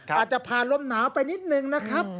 อาจจะผ่านลมหนาวไปนิดนึงนะครับ